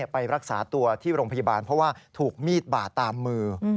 ไปรักษาตัวที่โรงพยาบาลเพราะว่าถูกมีดบาดตามมือ